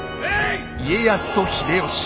家康と秀吉。